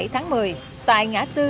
hai mươi bảy tháng một mươi tại ngã tư